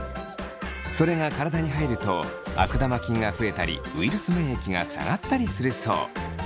それが体に入ると悪玉菌が増えたりウイルス免疫が下がったりするそう。